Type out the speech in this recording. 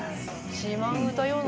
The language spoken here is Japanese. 「島唄よ」の？